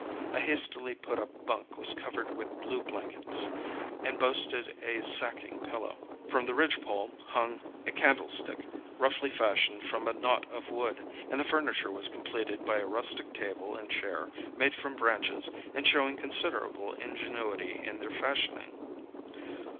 A hastily put up bunk was covered with blue blankets, and boasted a sacking pillow. From the ridge pole hung a candlestick, roughly fashioned from a knot of wood, and the furniture was completed by a rustic table and chair, made from branches, and showing considerable ingenuity in their fashioning.